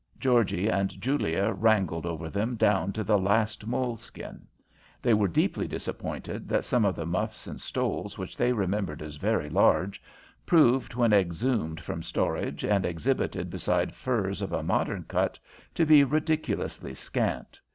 Georgie and Julia wrangled over them down to the last moleskin. They were deeply disappointed that some of the muffs and stoles which they remembered as very large, proved, when exhumed from storage and exhibited beside furs of a modern cut, to be ridiculously scant.